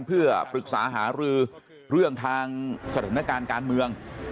เพื่อปรึกษาหารือเรื่องทางสถานการณ์การเมือง